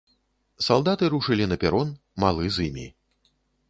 Салдаты рушылі на перон, малы з імі.